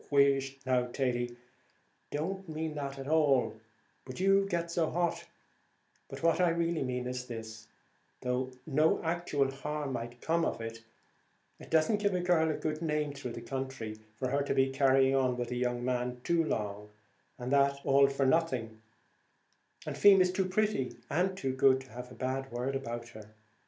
"Whisht, now, Thady; I don't mean that at all but you get so hot but what I really mean is this; though no actual harm might come of it, it doesn't give a girl a good name through the country, for her to be carrying on with a young man too long, and that all for nothing; and Feemy's too pretty and too good, to have a bad word about her.